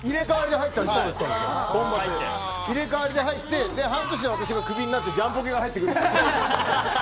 入れ替わりで入って半年で私がクビになってジャンポケが入ってくる。